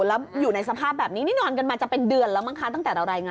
แล้วอยู่ในสภาพแบบนี้นี่นอนกันมาจะเป็น